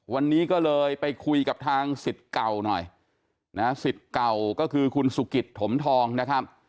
วันนี้ก็เลยไปคุยกับทางสิทธิ์เก่าหน่อยนะสิทธิ์เก่าก็คือคุณสุกิตถมทองนะครับ